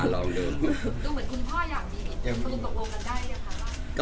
คุณตกลงกันได้หรือยังคะ